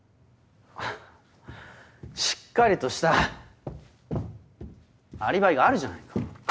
しっかりとしたアリバイがあるじゃないか。